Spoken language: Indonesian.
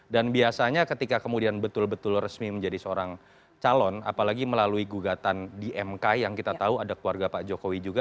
dan biasanya ketika kemudian betul betul resmi menjadi seorang calon apalagi melalui gugatan di mk yang kita tahu ada keluarga pak jokowi juga